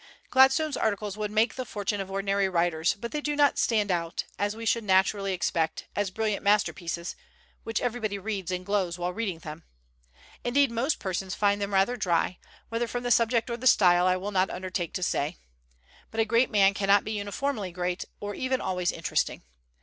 Gladstone's articles would make the fortune of ordinary writers, but they do not stand out, as we should naturally expect, as brilliant masterpieces, which everybody reads and glows while reading them. Indeed, most persons find them rather dry, whether from the subject or the style I will not undertake to say. But a great man cannot be uniformly great or even always interesting.